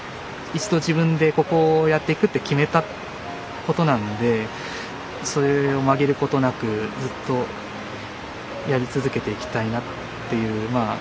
一度自分でここをやっていくって決めたことなのでそれを曲げることなくずっとやり続けていきたいなっていうま